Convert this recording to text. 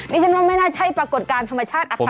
นี่ฉันว่าไม่น่าใช่ปรากฏการณ์ธรรมชาติอักษัตริย์